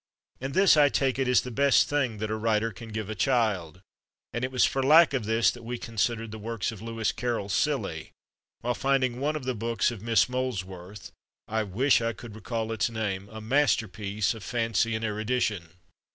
And this, I take it, is the best thing that a writer can give a child, and it was for lack of this that we considered the works of Lewis Carroll silly, while finding one of the books of Miss Molesworth I wish I could recall its name a masterpiece of fancy and erudition.